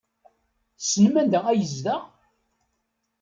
Tessnem anda ay yezdeɣ?